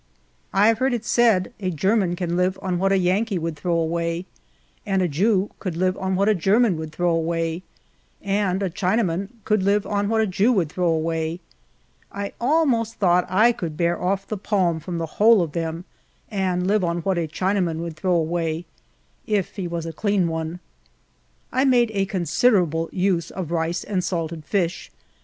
I have heard it said a German can live on what a Yankee would throw away, and a Jew could live on what a German would throw awaj', and a Chinaman could live on what a Jew would throw away. 1 almost thought I could bear off the palm from the whole of them, and live on what a China man would throw away — if he was a clean one. 1 made a considerable use of rice and salted iish.